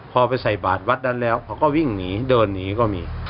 พอไปใส่บาทวัดนั้นแล้วเขาก็วิ่งหนีเดินหนีก็มี